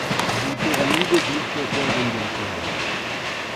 Die Pyramide glitzerte in der Sonne.